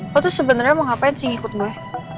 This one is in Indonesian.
lo tuh sebenarnya mau ngapain sih ngikut gue